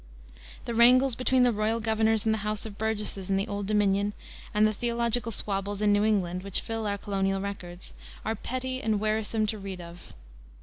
The wrangles between the royal governors and the House of Burgesses in the Old Dominion, and the theological squabbles in New England, which fill our colonial records, are petty and wearisome to read of.